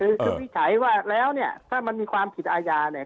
คือจะวิจัยว่าแล้วเนี่ยถ้ามันมีความผิดอาญาเนี่ย